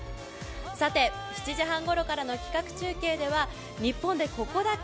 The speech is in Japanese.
さて、７時半ごろからの企画中継では日本でここだけ？